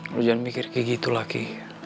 lo jangan mikir kayak gitu lagi